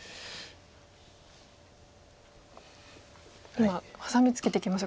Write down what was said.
今ハサミツケていきました。